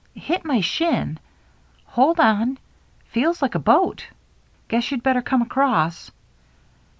"Hit my shin. Hold on — feels like a boat. Guess you'd better come across."